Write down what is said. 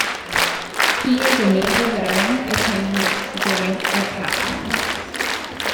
He is a naval veteran, attaining the rank of captain.